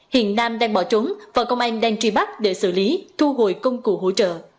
hiện nam đang bỏ trốn và công an đang truy bắt để xử lý thu hồi công cụ hỗ trợ